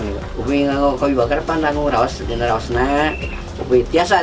biasanya pakai kayu bakar karena kita harus mengawasi air